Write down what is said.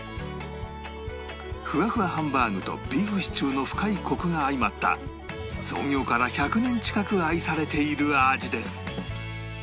ふわふわハンバーグとビーフシチューの深いコクが相まった創業から１００年近く愛されている味です